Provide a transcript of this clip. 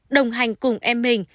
đồng hành cùng em mình